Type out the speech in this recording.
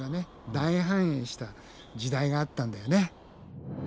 大繁栄した時代があったんだよね。